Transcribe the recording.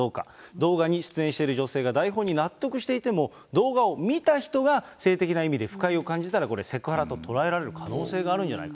動画に出演している女性が台本に納得していても、動画を見た人が、性的な意味で不快を感じたら、これ、セクハラと捉えられる可能性があるんじゃないか。